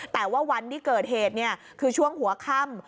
แต่ว่าวันที่เกิดเหตุคือช่วงหัวค่ำ